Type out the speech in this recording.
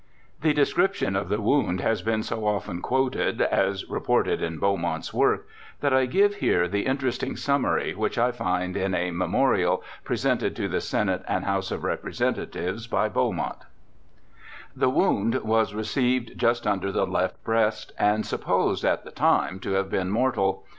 '^ The description of the wound has been so often quoted as reported in Beaumont's work, that I give here the interesting summary which I find in a * Memorial' pre sented to the Senate and House of Representatives by Beaumont :* The wound was received just under the left breast, and supposed, at the time, to have been mortal.